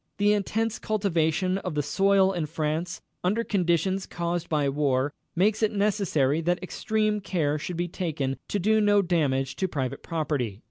The intense cultivation of the soil in France, under conditions caused by the war, makes it necessary that extreme care should be taken to do no damage to private property.